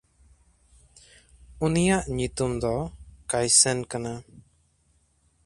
ᱩᱱᱤᱭᱟᱜ ᱧᱩᱛᱩᱢ ᱫᱚ ᱠᱟᱭᱥᱱ ᱠᱟᱱᱟ᱾